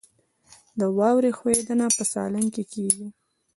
د واورې ښویدنه په سالنګ کې کیږي